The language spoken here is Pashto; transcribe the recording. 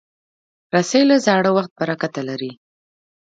رسۍ له زاړه وخت برکته لري.